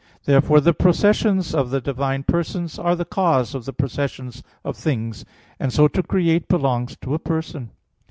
Therefore the processions of the divine Persons are the cause of the processions of things, and so to create belongs to a Person.